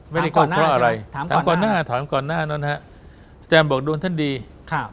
ไม่ได้โกรธเพราะอะไรถามถามก่อนหน้าถามก่อนหน้านั้นฮะอาจารย์บอกโดนท่านดีครับ